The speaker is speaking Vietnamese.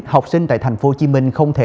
học sinh tại tp hcm không thể